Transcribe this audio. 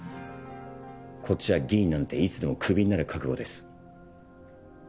こっちは議員なんていつでもクビになる覚悟です。